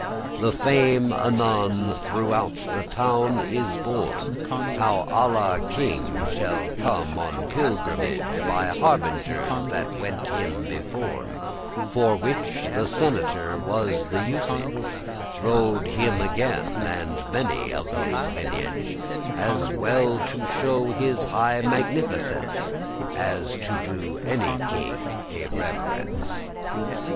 The fame anon throughout the town is borne, How Alla king shall come on pilgrimage, By harbingers that wente him beforn, For which the senator, as was usage, Rode *him again,* and many of his lineage, *to meet him* As well to show his high magnificence, As to do any king a reverence.